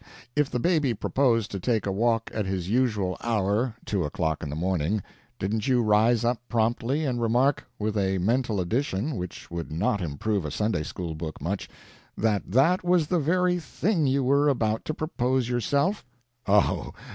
If the baby proposed to take a walk at his usual hour, two o'clock in the morning, didn't you rise up prompt ly and remark, with a mental addition which would not improve a Sunday school book much, that that was the very thing you were about to propose yourself ? Oh!